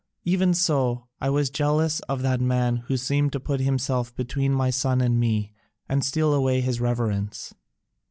Even so I was jealous of that man who seemed to put himself between my son and me and steal away his reverence."